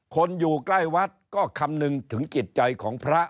คนอยู่ใกล้วัดก็คำนึงถึงจิตใจของพระ